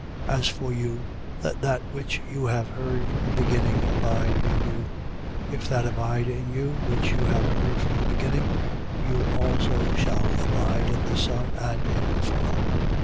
2:24. As for you, let that which you have heard from the beginning abide in you. If that abide in you, which you have heard from the beginning, you also shall abide in the Son and in the Father.